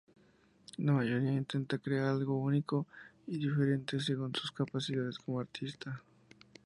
La mayoría intenta crear algo único y diferente según sus capacidades como artista.